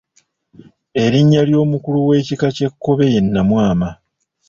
Erinnya ly’omukulu w’ekika ky’Ekkobe ye Nnamwama.